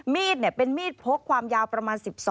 มีดเนี่ยเป็นมีดโพกความยาวประมาณ๑๒นิ้ว